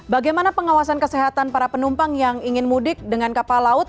bagaimana pengawasan kesehatan para penumpang yang ingin mudik dengan kapal laut